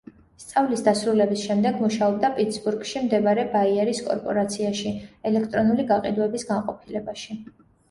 სწავლის დასრულების შემდეგ, მუშაობდა პიტსბურგში მდებარე ბაიერის კორპორაციაში, ელექტრონული გაყიდვების განყოფილებაში.